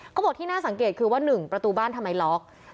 เขาบอกที่น่าสังเกตคือว่า๑ประตูบ้านทำไมล็อก